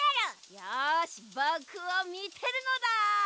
よしぼくをみてるのだ！